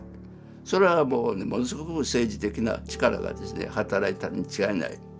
それはものすごく政治的な力がですね働いたに違いない。